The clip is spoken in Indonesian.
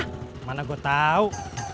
ke mana gue tahu